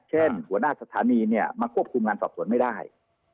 หัวหน้าสถานีเนี่ยมาควบคุมงานสอบสวนไม่ได้